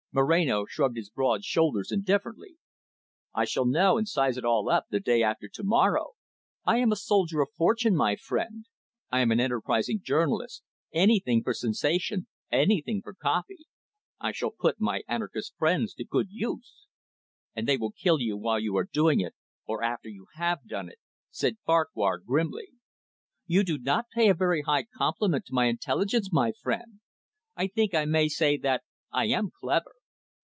Moreno shrugged his broad shoulders indifferently. "I shall know, and size it all up the day after to morrow; I am a soldier of fortune, my friend. I am an enterprising journalist anything for sensation, anything for `copy.' I shall put my anarchist friends to good use." "And they will kill you while you are doing it, or after you have done it," said Farquhar grimly. "You do not pay a very high compliment to my intelligence, my friend. I think I may say that I am clever.